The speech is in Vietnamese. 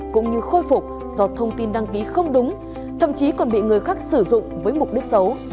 cũng như khôi phục do thông tin đăng ký không đúng thậm chí còn bị người khác sử dụng với mục đích xấu